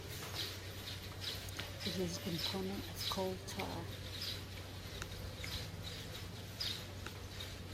It is a component of coal tar.